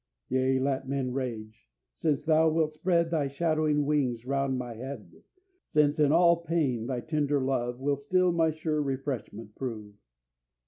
Yea, let men rage; since Thou wilt spread Thy shadowing wings around my head; Since in all pain Thy tender love Will still my sure refreshment prove."